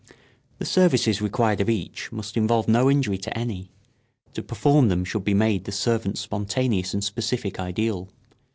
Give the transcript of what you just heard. The services required of each must involve no injury to any; to perform them should be made the servant's spontaneous and specific ideal.